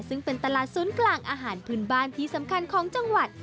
ซึ่งเป็นตลาดศูนย์กลางอาหารพื้นบ้านที่สำคัญของจังหวัด